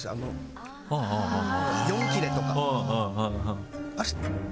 ４切れとか。